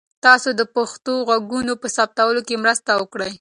تاسو د پښتو ږغونو په ثبتولو کې مرسته وکړئ.